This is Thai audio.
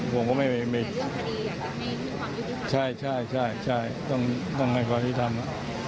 ต้องให้ความที่ทำ